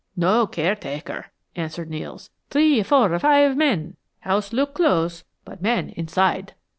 "No caretaker," answered Nels. "Tree four five men. House look close, but men inside."